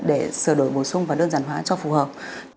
để sửa đổi bổ sung và đơn giản hóa cho phù hợp